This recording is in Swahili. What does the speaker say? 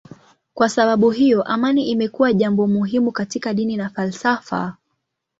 Kwa sababu hiyo amani imekuwa jambo muhimu katika dini na falsafa.